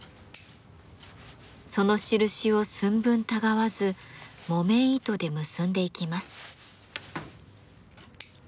その印を寸分たがわず木綿糸で結んでいきます。